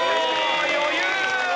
余裕！